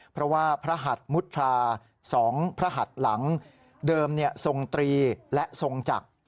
เพราะว่าพระหัดมุทรา๒พระหัสหลังเดิมทรงตรีและทรงจักร